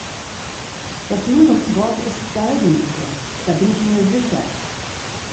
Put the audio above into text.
Das Lösungswort ist Galgenfrist, da bin ich mir sicher.